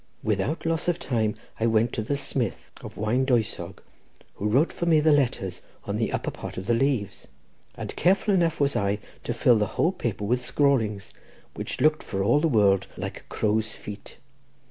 Without loss of time I went to the smith of Waendwysog, who wrote for me the letters on the upper part of the leaves; and careful enough was I to fill the whole paper with scrawlings, which looked for all the world like crows' feet.